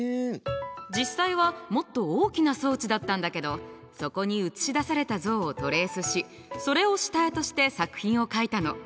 実際はもっと大きな装置だったんだけどそこに映し出された像をトレースしそれを下絵として作品を描いたの。